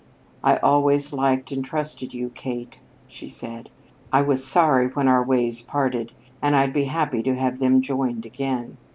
"I always liked and trusted you, Kate," she said. "I was sorry when our ways parted, and I'd be happy to have them joined again.